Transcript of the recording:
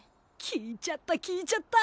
聞いちゃった聞いちゃった。